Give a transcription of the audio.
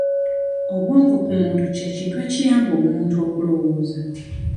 Obwongo ku muntu kye kintu ekiyamba omuntu okulowooza.